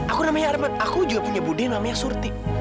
aku namanya arman aku juga punya budi namanya surti